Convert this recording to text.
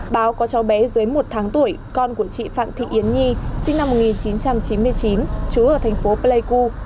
báo có cháu bé dưới một tháng tuổi con của chị phạm thị yến nhi sinh năm một nghìn chín trăm chín mươi chín chú ở thành phố pleiku